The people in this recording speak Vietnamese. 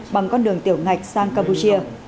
bằng con đường tiểu ngạch sang campuchia